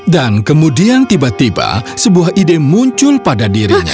dan kemudian tiba tiba sebuah ide muncul pada dirinya